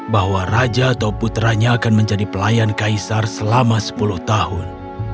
bahwa raja atau putranya akan menjadi pelayan kaisar selama sepuluh tahun